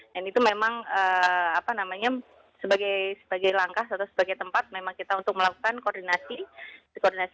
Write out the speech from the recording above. dan itu memang apa namanya sebagai langkah atau sebagai tempat memang kita untuk melakukan koordinasi